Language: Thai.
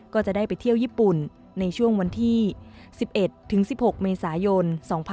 ก็จะได้ไปเที่ยวญี่ปุ่นในช่วงวันที่๑๑ถึง๑๖เมษายน๒๕๖๒